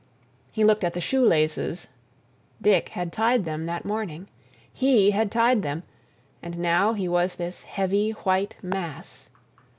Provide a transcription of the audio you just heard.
He looked at the shoe laces—Dick had tied them that morning. He had tied them—and now he was this heavy white mass.